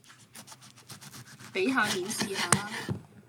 俾下面試下啦